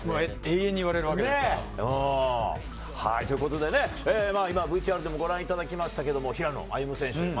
永遠に言われるわけですから。ということで今ＶＴＲでもご覧いただきましたが平野歩夢選手